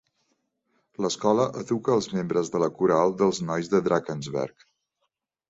L'escola educa els membres de la coral de nois de Drakensberg.